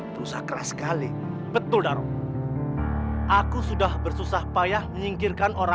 ibuku tewas karena diracun oleh pati angkar